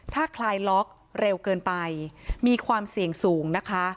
ถ้าคลายล็อกเร็วเกินไปมีความเสี่ยงสูงนะคะ